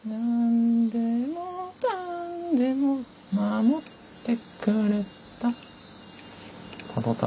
「なんでもかんでも守ってくれた」